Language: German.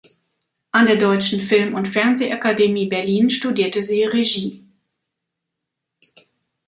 An der Deutschen Film- und Fernsehakademie Berlin studierte sie Regie.